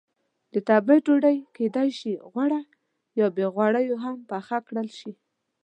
د تبۍ ډوډۍ کېدای شي غوړه یا بې غوړیو هم پخه کړل شي.